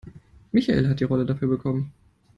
Michael hat die Rolle dafür bekommen.